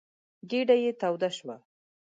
ګېډه يې توده شوه.